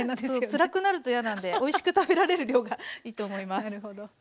つらくなると嫌なんでおいしく食べられる量がいいと思います。